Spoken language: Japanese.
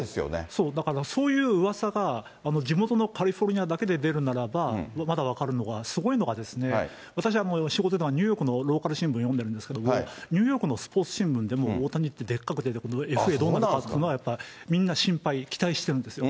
そう、だからそういううわさが、地元のカリフォルニアだけで出るならばまだ分かるのが、すごいのが、私、仕事でニューヨークのローカル新聞読んでるんですけど、ニューヨークのスポーツ新聞でも大谷ってでっかく出てくるので、ＦＡどうなるかっていうのはみんな心配、期待してるんですよ。